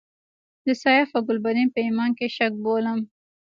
د سیاف او ګلبدین په ایمان کې شک بولم.